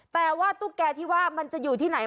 แต่ว่าตุ๊กแก่ที่ว่ามันจะอยู่ที่ไหน